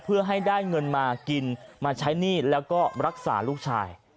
เพื่อให้ได้เงินมากินมาใช้หนี้แล้วก็รักษาลูกชาย